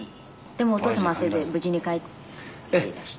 でもお父様はそれで無事に帰っていらして。